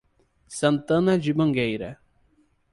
Santana de Mangueira